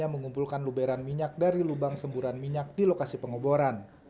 dan mengumpulkan luberan minyak dari lubang semburan minyak di lokasi pengoboran